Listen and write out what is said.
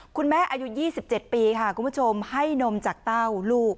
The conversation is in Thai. อายุ๒๗ปีค่ะคุณผู้ชมให้นมจากเต้าลูก